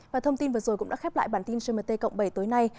và thông tin vừa rồi cũng đã khép lại bản tin gmt cộng bảy tối nay